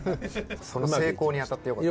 その成功に当たってよかった。